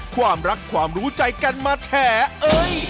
ความรักความรู้ใจกันมาแฉเอ้ย